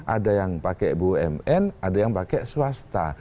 ada yang pakai bumn ada yang pakai swasta